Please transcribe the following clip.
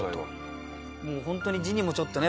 もうホントに字にもちょっとね